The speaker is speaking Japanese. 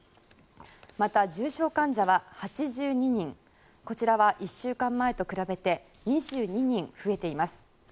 また、重症患者は８２人こちらは１週間前と比べて２２人増えています。